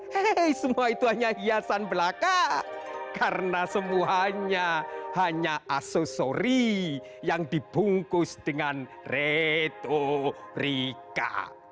hei semua itu hanya hiasan belaka karena semuanya hanya aksesori yang dibungkus dengan retorika